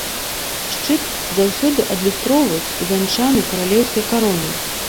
Шчыт заўсёды адлюстроўваюць увянчаны каралеўскай каронай.